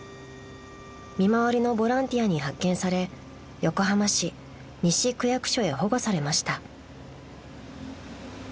［見回りのボランティアに発見され横浜市西区役所へ保護されました］